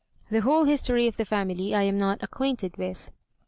The whole history of the family I am not acquainted with."